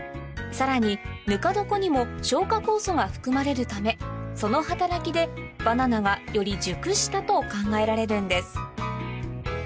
さらにぬか床にも消化酵素が含まれるためその働きでバナナがより熟したと考えられるんです